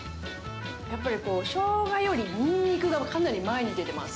やっぱりショウガよりニンニクがかなり前に出てます。